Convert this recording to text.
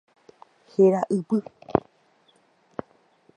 Héra ypy.